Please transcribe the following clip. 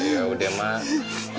ya udah emak